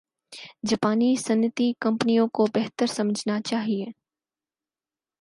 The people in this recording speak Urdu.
جاپانی صنعتی کمپنیوں کو بہتر سمجھنا چاہِیے